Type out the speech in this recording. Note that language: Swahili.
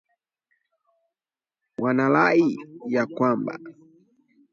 Wanarai ya kwamba